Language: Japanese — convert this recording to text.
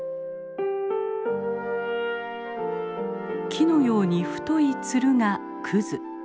木のように太いつるがクズ。